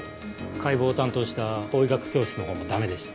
解剖を担当した法医学教室のほうもダメでした。